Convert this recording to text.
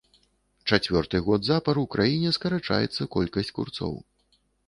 Чацвёрты год запар у краіне скарачаецца колькасць курцоў.